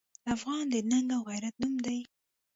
افغان د ننګ او غیرت نوم دی.